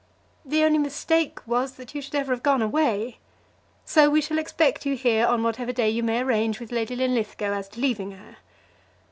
The only mistake was, that you should ever have gone away. So we shall expect you here on whatever day you may arrange with Lady Linlithgow as to leaving her.